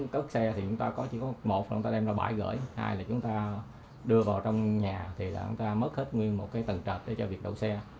khi chạy vào trong nhà thì chúng ta mất hết nguyên một cái tầng trật để cho việc đậu xe